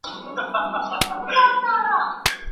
د بلوط ونه ولاړه ورنه یو یې وړل برګونه